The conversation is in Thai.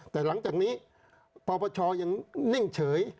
แต่หลังจากนี้ปปชยังนิ่งเฉย